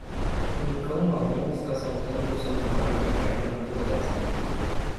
Um cão marrom está saltando sobre uma árvore caída na floresta.